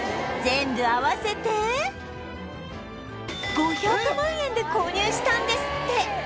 全部合わせて５００万円で購入したんですって